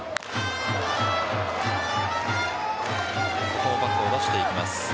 ここはバットを出していきます。